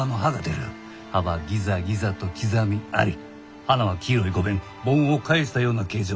葉はギザギザと刻みあり花は黄色い５弁盆を返したような形状。